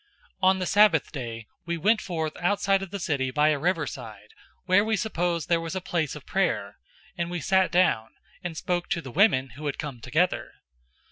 016:013 On the Sabbath day we went forth outside of the city by a riverside, where we supposed there was a place of prayer, and we sat down, and spoke to the women who had come together.